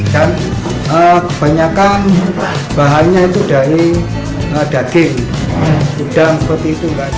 dan kebanyakan bahannya itu dari daging udang seperti itu